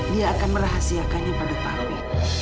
dia akan merahasiakannya pada tami